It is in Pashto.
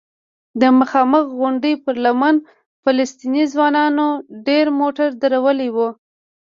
د مخامخ غونډۍ پر لمنه فلسطینی ځوانانو ډېر موټر درولي وو.